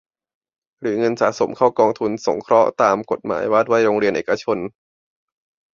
หรือเงินสะสมเข้ากองทุนสงเคราะห์ตามกฎหมายว่าด้วยโรงเรียนเอกชน